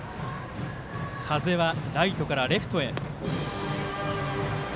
風はライトからレフトへ。